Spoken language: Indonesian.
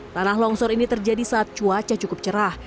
tanah longsor ini terjadi saat cuaca cukup cerah